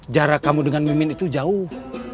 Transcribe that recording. jarak kamu dengan mimin itu jauh